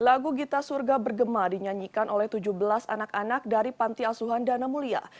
lagu gita surga bergema dinyanyikan oleh tujuh belas anak anak dari panti asuhan dana mulia